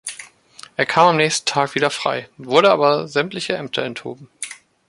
Er kam am nächsten Tag wieder frei, wurde aber sämtlicher Ämter enthoben.